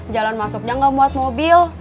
jalan masuknya gak muat mobil